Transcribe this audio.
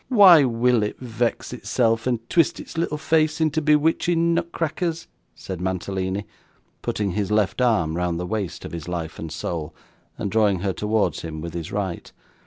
'Why will it vex itself, and twist its little face into bewitching nutcrackers?' said Mantalini, putting his left arm round the waist of his life and soul, and drawing her towards him with his right.